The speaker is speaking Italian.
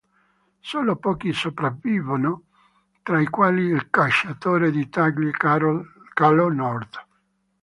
Solo pochi sopravvivono, tra i quali il cacciatore di taglie Calo Nord.